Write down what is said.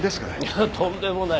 いやとんでもない。